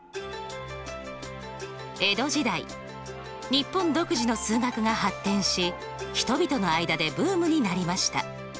日本独自の数学が発展し人々の間でブームになりました。